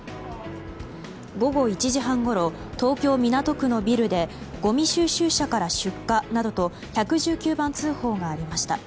午後１時半ごろ東京・港区のビルでごみ収集車から出火などと１１９番通報がありました。